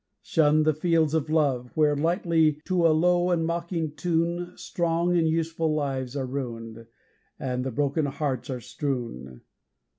'Shun the fields of love, where lightly, to a low and mocking tune, Strong and useful lives are ruined, and the broken hearts are strewn.